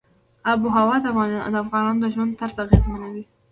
آب وهوا د افغانانو د ژوند طرز اغېزمنوي.